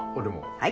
はい。